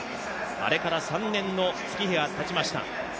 あれから３年の月日がたちました。